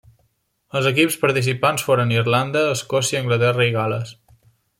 Els equips participants foren Irlanda, Escòcia, Anglaterra, i Gal·les.